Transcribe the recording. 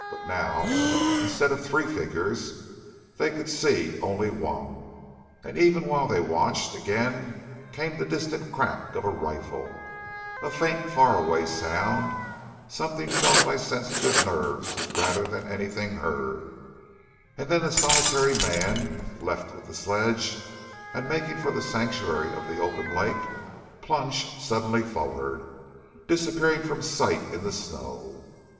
But now, instead of three figures, they could see only one; and even whilst they watched, again came the distant crack of a rifle a faint far away sound, something felt by sensitive nerves rather than anything heard and the solitary man left with the sledge and making for the sanctuary of the open lake, plunged suddenly forward, disappearing from sight in the snow.